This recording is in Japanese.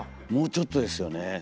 もうちょっとですよね。